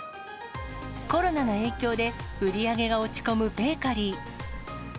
コロナの影響で売り上げが落ち込むベーカリー。